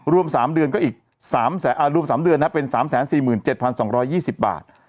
รวม๓เดือนก็อีกรวม๓เดือนนะเป็น๓๔๗๒๒๐บาท